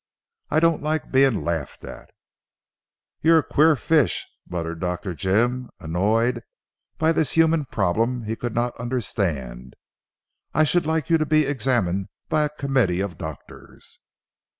I don't like being laughed at." "You're a queer fish," muttered Dr. Jim, annoyed by this human problem he could not understand. "I should like you to be examined by a committee of doctors."